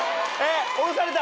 降ろされた？